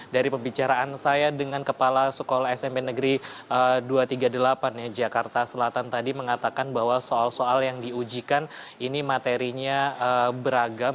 dari pembicaraan saya dengan kepala sekolah smp negeri dua ratus tiga puluh delapan jakarta selatan tadi mengatakan bahwa soal soal yang diujikan ini materinya beragam